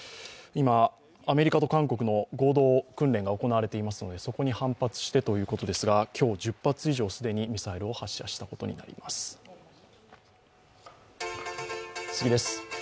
今、アメリカと韓国の合同訓練が行われていますのでそこに反発してということですが今日、１０発以上ミサイルを発射したことになります。